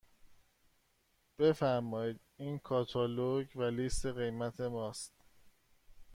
بفرمایید این کاتالوگ و لیست قیمت ماست.